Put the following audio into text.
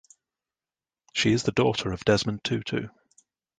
She is the daughter of Desmond Tutu.